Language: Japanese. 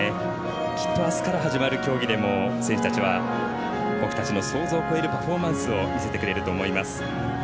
きっとあすから始まる競技でも選手たちは僕たちの想像を超えるパフォーマンスを見せてくれると思います。